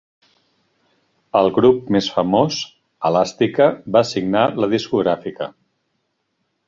El grup més famós, Elastica, va signar la discogràfica.